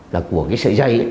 là của cái sợi dây